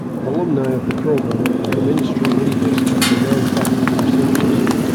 Alumni of the program have become industry leaders and renowned faculty researchers.